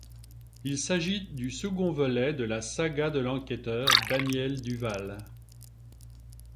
Il s'agit du second volet de la saga de l'enquêteur Daniel Duval.